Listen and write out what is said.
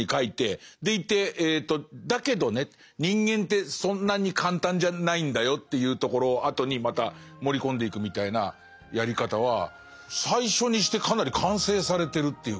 でいてだけどね人間ってそんなに簡単じゃないんだよっていうところをあとにまた盛り込んでいくみたいなやり方は最初にしてかなり完成されてるっていうか。